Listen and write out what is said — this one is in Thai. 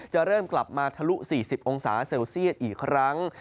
จะเริ่มกลับมาทะลุ๔๐องศาเซลเซียตอีกครั้ง